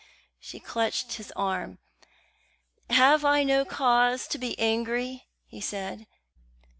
She clutched his arm. "Have I no cause to be angry?" he said.